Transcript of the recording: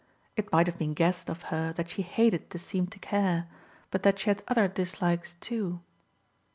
It might have been guessed of her that she hated to seem to care, but that she had other dislikes too.